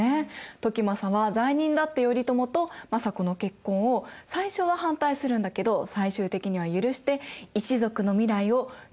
時政は罪人だった頼朝と政子の結婚を最初は反対するんだけど最終的には許して一族の未来を頼朝に懸けました。